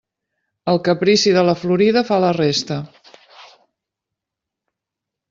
El caprici de la florida fa la resta.